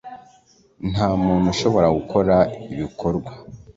Nta muntu ushobora gukora ibikorwa